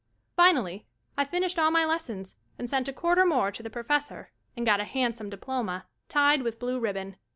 Finally, I finished all my lessons and sent a quarter more to the professor and got a handsome diploma tied with blue ribbon.